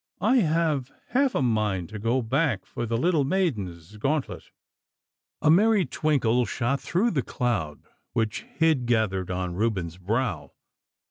I have half a mind to go back for the little maiden's gauntlet.' A merry twinkle shot through the cloud which hid gathered on Reuben's brow.